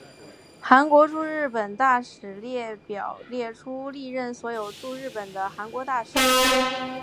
韩国驻日本大使列表列出历任所有驻日本的韩国大使。